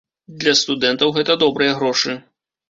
Для студэнтаў гэта добрыя грошы.